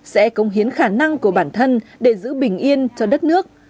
sẽ công hiến khả năng của bản thân để giữ bình yên cho đất nước